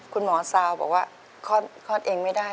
คุณหมอซาวบอกว่าคลอดเองไม่ได้